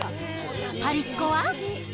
パリっ子は。